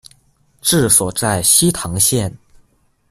治所在悉唐县。